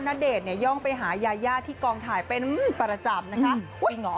ณเดชน์เนี่ยย่องไปหายายาที่กองถ่ายเป็นประจำนะคะ